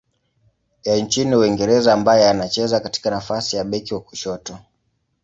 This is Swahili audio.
ya nchini Uingereza ambaye anacheza katika nafasi ya beki wa kushoto.